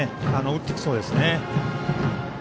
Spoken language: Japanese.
打ってきそうですね。